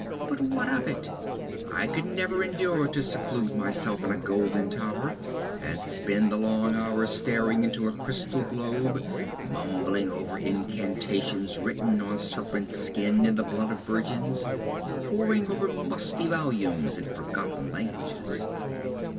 But what of it? I could never endure to seclude myself in a golden tower, and spend the long hours staring into a crystal globe, mumbling over incantations written on serpent's skin in the blood of virgins, poring over musty volumes in forgotten languages.